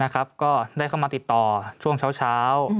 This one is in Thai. ก็ได้เข้ามาติดต่อช่วงเช้า